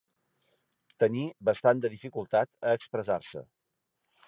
Tenir bastant de dificultat a expressar-se.